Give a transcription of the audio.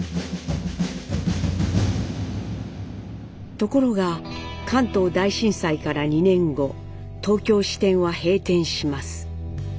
ところが関東大震災から２年後東京支店は閉店します。